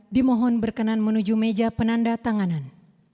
dimohon berkenan menuju meja penandatanganan